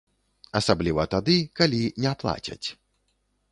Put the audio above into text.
Асабліва тады, калі не плацяць.